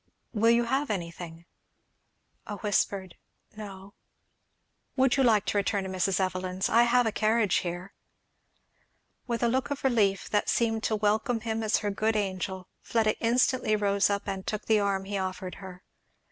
"Will you have anything?" A whispered "no." "Would you like to return to Mrs. Evelyn's? I have a carriage here." With a look of relief that seemed to welcome him as her good angel, Pleda instantly rose up, and took the arm he offered her.